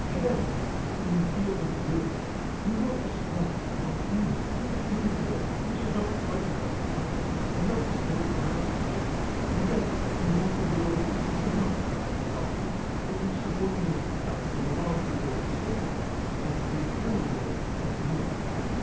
Again in the field of will, we want the strong, spontaneous, independent will which is not frightened by discomfort and not discouraged by obstacles, and yet we want the will which is not stubborn and selfish but which subordinates itself to the larger will of the social group and to the eternal will of the norm.